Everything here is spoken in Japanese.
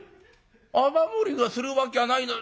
雨漏りがするわきゃないのに。